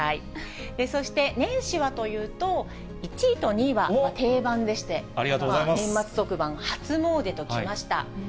そして年始はというと、１位と２位は定番でして、年末特番、初詣ときました。